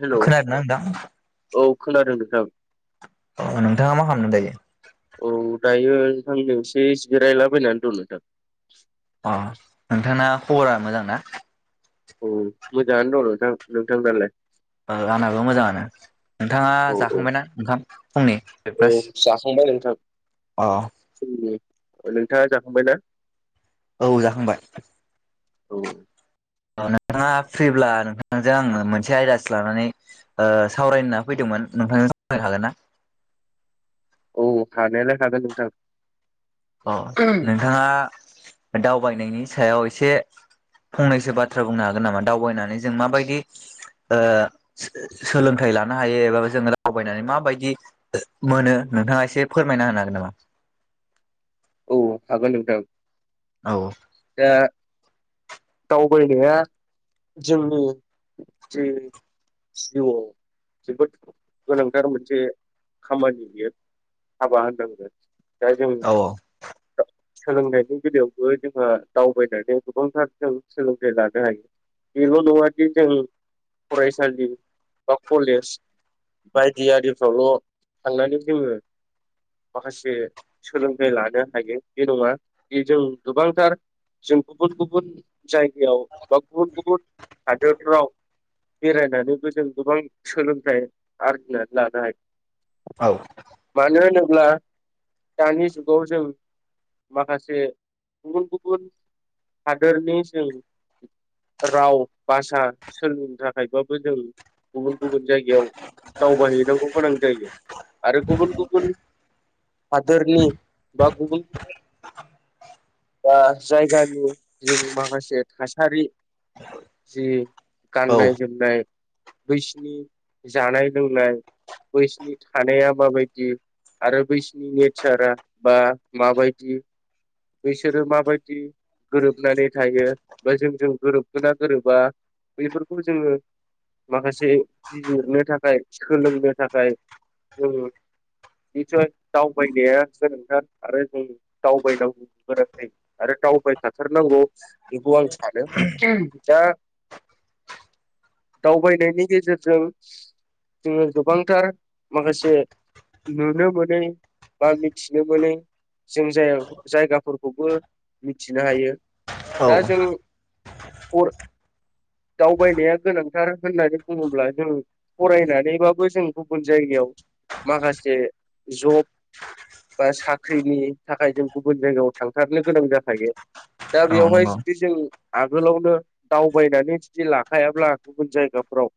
Hello खोनादों ना नोंथां औ खोनादों नोंथां अ नोंथाङा मा खालामदों दायो औ दायो नोंथांनियाव एसे जिरायलाबायनानै दं नोंथां अ नोंथाङा खबरा मोजां ना औ मोजाङानो दं नोंथां नोंथांनालाय ओआंनाबो मोजाङानो नोंथाङा औ औ जाखांबायना ओंखाम फुंनि औ ब्रेकफास जाखांबाय नोंथां औ फुंनि नोंथाङा जाखांबाय ना औ जाखांबाय औ नोंथाङा फ्रिब्ला नोंथांजों आङो मोनसे आयदासो लानानै ओ सावरायनो होनना फैदोंमोन । नोंथां आ सावरायनो हागोन ना? औ हानायालाय हागोन नोंथां । अ नोंथाङा दावबायनायनि सायाव एसे फंनैसो बाथ्रा बुंनो हागोन नामा दावबायनानै जों माबायदि ओ सो-सोलोंथाइ लानो हायो एबा जोङो दावबायनानै माबायदि मोनो? नोंथाङा एसे फोरमायना होनो हागोन नामा? औ हागोन नोंथां। औ दा दावबायनाया जोंनि जि जिउआव जोबोद गोनांथार मोनसे खामानि बियो हाबा होननांगोन। दा जों औ सोलोंनायनि बेलायावबो जोंहा दावबायनानै गोबांथार जों सोलोंथाइ लानो हायो। बेल' नङादि जों फरायसालि बा कलेज बायदि आरिफ्रावल' थांनानै जोङो माखासे सोलोंथाइ लानो हायो, बे नङा। बे जों गोबांथार जों गुबुन गुबुन जायगायाव बा गुबुन गुबुन हादोरफ्राव बेरायनानैबो जों गोबां सोलोंथाइ आरजिनानै लानो हायो। मानो होनोब्ला दानि जुगाव जों माखासे गुबुन गुबुन हादोरनि जों राव भाषा सोलोंनो थाखायबाबो जों गुबुन गुबुन जायगायाव दावबायहैनांगौ गोनां जायो आरो गुबुन गुबुन हादोरनि बा गुबुन गुबुन बा जायगानि जों माखासे थासारि जि औ गाननाय जोमनाय, बैसिनि जानाय लोंनाय बैसिनि थानाया माबायदि, आरो बैसिनि नेचारा बा माबायदि बिसोरो माबायदि गोरोबनानै थायो बा जोंजों गोरोबगोना गोरोबा बेफोरखौ जोङो माखासे बिजिरनो थाखाय सोलोंनो थाखाय जों नितसय दावबायनाया गोनांथार आरो जों दावबायनांगौ। बोरै आरो दावबायखाथारनांगौ बेखौ आं सानो। दा [inaudible] दावबायनायनि गेजेरजों जोङो गोबांथार माखासे नुनो मोनै बा मिथिनो मोनै जों जाया जायगा फोरखौबो मिथिनो हायो। औ दा जों अर दावबायनाया गोनांथार होननानै बुङोब्ला जों फरायनानैबाबो जों गुबुन जाय गायाव माखासे जब बा साख्रिनि थाखाय जों गुबुन जायगायाव थांथारनो गोनां जाखायो। दा औ बेवहाय नंगौ जुदि जों आगोलावनो दावबायनानै जुदि लाखायाब्ला गुबुन जायगा फोराव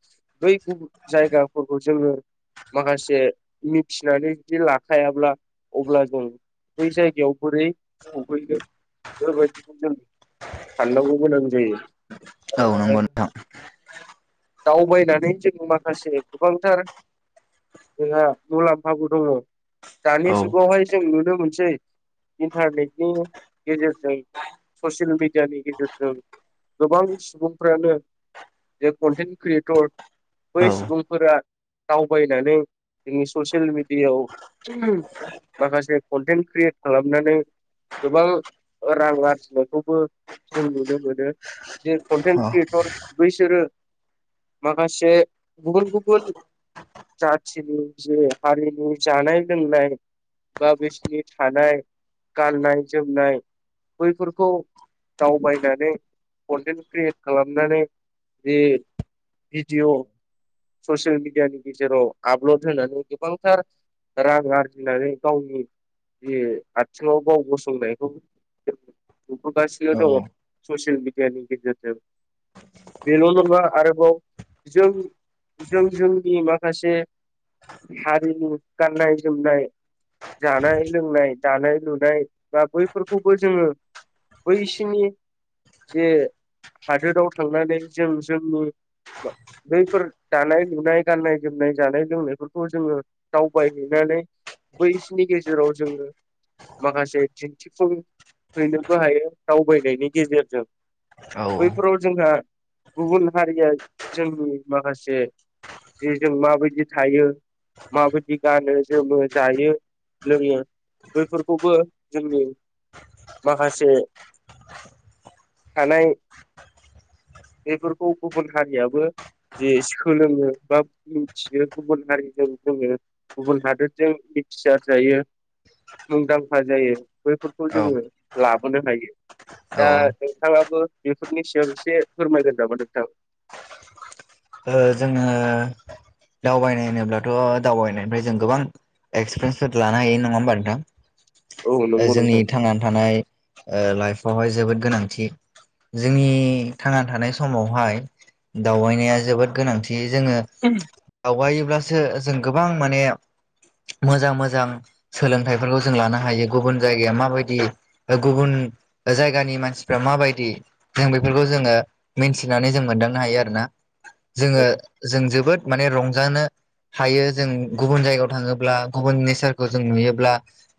बै गुबुन जायगाफोरखौ जोङो माखासे मिथिनानै जुदि लाखायाब्ला, अब्ला जों बै जायगायाव बोरै सहैगोन, बेफोरबायदिखौ जों साननांगौ गोनां जायो औ नंगौ आरो नोंथां दावबायनानै जों माखासे गोबांथार जोंहा मुलाम्फाबो दङ। औ दानि जुगावहाय जों नुनो मोनसै इन्टारनेटनि गेजेरजों, ससियेल मिेडियानि गेजेरजों गोबां सुबुंफ्रानो बे कन्टेन्ट क्रियेटर औ बै सुबुंफोरा दावबायनानै जोंनि ससियेल मिडियाआव माखासे कन्टेन्ट क्रियेट खालामनानै गोबां रां आरजिनायखौबो जों नुनो मोनो। जे कन्टेन्ट क्रियेटर बैसोरो माखासे गुबुन गुबुन जाथिनि जे हारिनि जानाय लोंनाय बा बिसिनि थानाय, गाननाय जोमनाय बैफोरखौ दावबायनानै कन्टेन्ट क्रियेट खालामनानै बे भिडिअ ससियेल मिडियानि गेजेराव आपलड होनानै गोबांथार रां आरजिनानै गावनि बे आथिङाव गाव गसंनायखौ नुगासिनो दं ससियेल मिडियानि गेजेरजों। बेल' नङा आरोबाव जों जों जोंनि माखासे हारिनि गाननाय जोमनाय जानाय लोंनाय, दानाय लुनाय बा बैफोरखौबो जोङो बैसिनि जे हादोराव थांनानै जों जोंनि बैफोर दानाय लुनाय, गाननाय जोमनाय, जानाय लोंनायफोरखौ जोंङो दावबायहैना नै बैसिनि गेजेराव जोङो माखासे दिन्थिफुं हैनोबो हायो दावबायनायनि गेजेरजों। औ बैफोराव जोंहा गुबुन हारिया जोंनि माखासे जे जों माबायदि थायो माबायदि गानो जोमो, जायो लोङो बैफोरखौबो जोंनि माखासे थानाय बेफोरखौ गुबुन हारियाबो जे सोलोङो बा मिथियो, गुबुन हारिजों जोङो गुबुन हादोरजों मिथिसार जायो मुंदांखा जायो। बैफोरखौ औ जोङो लाबोनो हायो। दा ओ नोंथाङाबो बेफोरनि सायाव एसे फोरमायगोन नामा नोंथां? ओ जोंङो दावबायनाय होनोब्लाथ' दावबायनायनिफ्राय जों गोबां एक्सपिरियेन्सफोर लानो हायो नङा होनबा नोंथां? औ ओ नंगौ जोंनि नोंथां थांनानै थानाय लाइफआवहाय जोबोद गोनांथि। जोंनि थांना थानाय समावहाय दावबायनाया जोबोद गोनांथि। जोङो दावगायोब्लासो जों गोबां माने मोजां मोजां सोलोंथाइफोरखौ जों लानो हायो गुबुन जायगाया माबायदि गुबुन जायगानि मानसिफ्रा माबायदि जों बेफोरखौ जोङो मिथिनानै जों मोनदांनो हायो आरोना। जोङो औ जों जोबोद माने रंजानो हायो जों गुबुन जायगायाव थाङोब्ला गुबुन नेचारखौ जों नुयोब्ला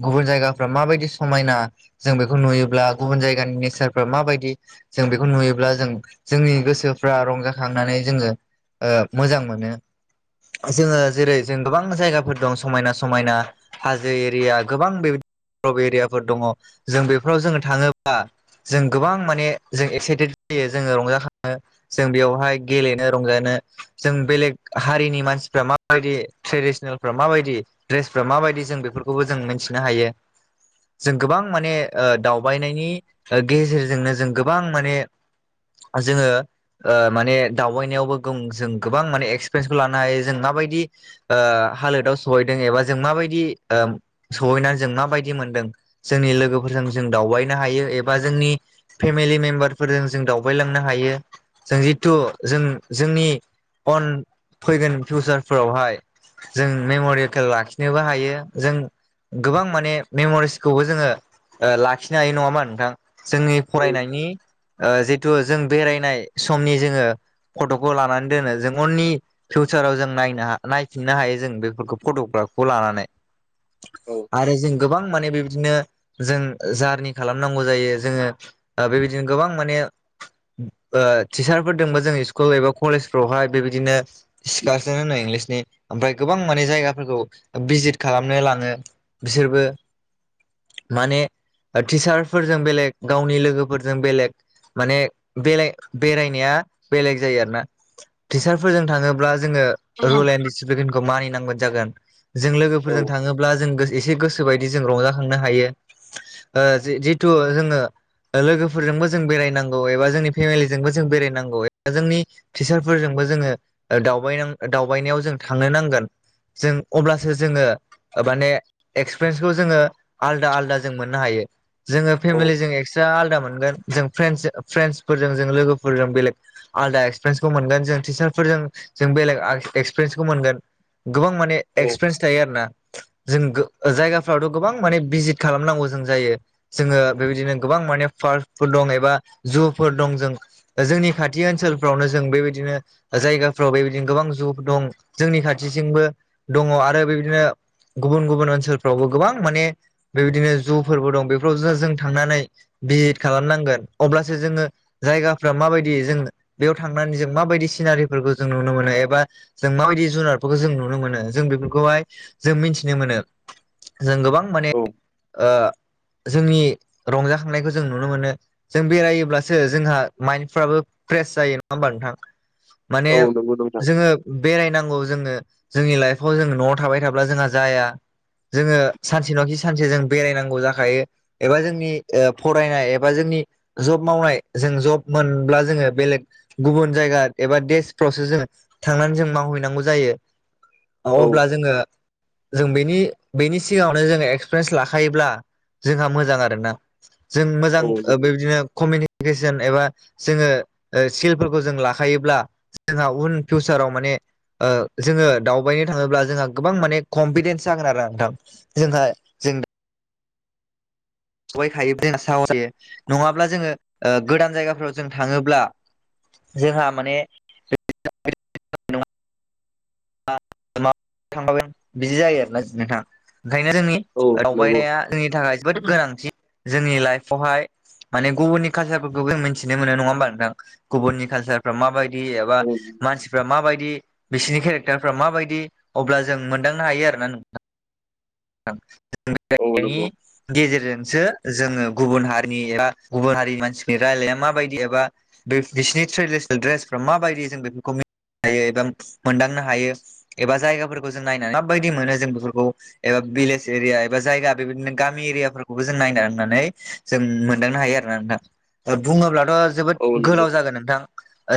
गुबुन जायगाफ्रा माबाय दि समायना जों बेखौ नुयोब्ला गुबुन जायगानि नेचार फोर्र माबायदि जों बेखौ नुयोब्ला जों जोंनि गोसोफ्रा रंजाखांनानै जोङो ओ मोजां मोनो। जोङो जेरै जों गोबां जायगाफोर दं समायना समायना हाजो एरिया गोबां बे प एरियाफोर दङ जों बेफोराव जोङो थाङोब्ला जों गोबां माने जों एक्साइटेड जायो जोङो रंजाखाङो, जों बेयावहाय गेलेनो रंजानो जों बेलेग हारिनि मानसिफ्रा माबायदि ट्रेडिसनेलफ्रा माबायदि द्रेसफ्रा माबायदि जों बेफोरखौबो जों मिथिनो हायो। जों गोबां माने ओ दावबायनायनि गेजेरजोंनो जों गोबां माने जोङो ओ माने दावबायनायावबो गों जों गोबां माने एक्सपिरियेन्सखौ लानो हायो जों माबायदि हालोदाव सहैदों एबा जों माबायदि ओ सहैनानै जों माबायदि मोनदों, जोंनि लोगोफोरजों जों दावबायनो हायो एबा जोंनि फेमिलि मेम्बारफोरजों जों दावबायलांनो हायो। जों जिथु जों जोंनि अन फैगोन फिउसारफोरावहाय। जों मेमरियकेल लाखिनोबो हायो । जों गोबां माने मेमरिसखौबो जोंङो लाखिनो हायो नङामा नोंथां? जोंनि औ फरायनायनि जितु जों बेरायनाय समनि जोंङो फटखौ लानानै दोनो ।जों उननि फिउचाराव जों नायनो नायफिननो हायो जों बेफोरखौ फटखौ खौ लानानै औ आरो जों गोबां माने बेबायदिनो जों जारनि खालामनांगौ जायो । जोंङो बेबायदिनो गोबां माने ओ टिचार फोर दोंबा जोंनि सि स्कुल एबा कलेजफ्रावहाय बेबायदिनो सिखारसिनो होननाय इंलिसनि ओमफ्राय गोबां माने जायगाफोरखौ भिजित खालामनो लाङो। बिसोरबो माने टिचारफोरजों बेलेग गावनि लोगोफोरजों बेलेग माने बेलाय बेरायनाया‌। बेलेग जायो आरोना टिचारफोरजों थाङोब्ला जोङो रुल एणड डिसिप्लिनखौ मानिनांगोन। जागोन जों औ लोगोफोरजों थाङोब्ला जों गोसो एसे गोसोबायदि जों रंजाखांनो हायो। ओ जिथु जोङो लोगोफोरजोंबो जों बेरायनांगौ एबा जोंनि फेमिलिजोंबो जों बेरायनांगौ जोंनि टिचारफोरजोंबो जोङो दावबायनां दावबायनायाव जों थांनो नांगोन। जों अब्लासो जोङो माने एक्सपिरियेन्सखौ जोङो आलदा आलदा जों मोननो हायो। जोङो औ फेमिलिजों एक्सट्रा आलदा मोनगोन जों फ्रेन्डस फ्रेन्डसफोरजों जों लोगोफोरजों बेलेग आलदा एक्सपिरियेन्सखौ मोनगोन ।जों टिचारफोरजों जों बेलेग आल एक्सपिरियेन्सखौ मोनगोन। गोबां माने औ एक्सपिरियेन्स थायो आरो ना जों गो जायगाफ्रावथ' गोबां माने भिजित खालामनांगौ जों जायो । जोङो बेबायदिनो गोबां माने [unintelligible] दं एबा जुफोर दं जों जोंनि खाथि [unintelligible] थि ओनसोलफ्रावनो जों बेबायदिनो जायगाफ्राव बेबायदिनो गोबां जु दं जोंनि खाथिसिंबो दङ आरो बेबायदिनो गुबुन गुबुन ओनसोलफ्रावबो गोबां माने बेबायदिनो जु फोरबो दं बेफोराव जो जों थांनानै भिजिट खालामनांगोन अब्लासो जोङो जायगाफ्रा माबायदि जों बेयाव थांनानै जों माबायदि सिनारिफोरखौ जों नुनो मोनो एबा जों माबायदि जुनारफोरखौ जों नुनो मोनो। जों बेफोरखौहाय जों मिथिनो मोनो जों गोबां माने औ ओ जोंनि रंजाखांनायखौ जों नुनो मोनो ।जों बेरायोब्लासो जोंहा माइन्डफ्राबो फ्रेस जायो नङा होमबा नोंथां? माने औ नंगौ नोंथां जोङो बेरायनांगौ जोङो जोंनि लाइफआव जों न'आव थाबाय थाब्ला जोंहा जाया। जोङो सानसे नखि सानसे जों बेरायनांगौ जाखायो एबा जोंनि फरायनाय एबा जोंनि नि जब मावनाय जों जब मोनब्ला जोङो बेलेग गुबुन जायगा एबा देशफ्रावसो जों थांनानै जों मावहैनांगौ जायो। औ अब्ला जोङो जों बेनि बेनि सिगाङावनो जोङो एक्सपिरियेन्स लाखायोब्ला जोंहा मोजां आरो ना। जों मोजां औ नंगौ बेबायदिनो कमिनिकेसन एबा जोङो ओ स्किलफोरखौ जों लाखायोब्ला जोंहा उन फिउसाराव माने जोङो दावबायनो थाङोब्ला जोंहा गोबां माने कनफिदेन्स जागोन आरो नोंथां। जोंहा जों सबायखायो [inaudible] साहस फैयो नङाब्ला जोङो ओ गोदान जायगाफोराव जों थाङोब्ला। जोंहा माने [inaudible] नङा आ मा [unintelligible] [inaudible] थांबा बिदि जायो आरोना नोंथाङा। ओंखायनो जोंनि औ नंगौ दावबायनाया जोंनि थाखाय जोबोद गोनांथि जोंनि लाइफआवहाय माने गुबुननि कालसारफोरखौबो जों मिथिनो मोनो नङा होमबा नोंथां? गुबुननि कालसारफ्रा माबाय [unintelligible] बा मानसिफ्रा मा बायदि बिसिनि केरेक्टार फ्रा माबायदि अब्ला जों मोनदांनो हायो आरोना नों थां थां। औ नंगौ औ [inaudible] [inaudible] नि नंगौ गेजेरजों सो जोंङो गुबुन हारिनि एबा गुबुन हारिनि मानसिनि रायलाया माबायदि एबा दो बिसिनि ट्रेडिसनेल द्रेसफ्रा माबायदि जों बेफोरखौ मि हायो एबा मोनदांनो हायो एबा जायगाफोरखौ जों नायनानै माबायदि मोनो जों बेफोरखौ एबा भिलेज एरिया एबा जायगा बेबादिनो गा एरिया फोरखौबो जों नायनानै जों मोनदांनो हायो आरो ना नोंथां ओ बुङाबाथ' अ जोबोद औ गोलाव नंगौ जागोन नोंथां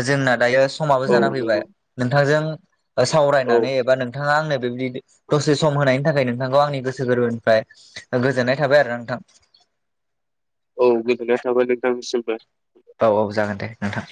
जोंना दायो समाबो औ जाना फैबाय नंगौ नोंथांजों औ सावरायनानै एबा नोंथाङा आंनो [unintelligible] दसे सम होनायनि थाखाय नोंथांखौ आंनि गोसो गोरबोनिफ्राय गोजो गोजोननाय थाबाय आरोना नोंथां औ गोजोननाय थाबाय नोंथांनिसिमबो औ-औ जागोन दे नोंथां